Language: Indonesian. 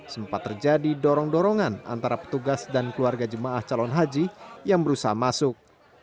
sempat terjadi dorong dorongan antara petugas dan keluarga jemaah calon haji yang berusaha masuk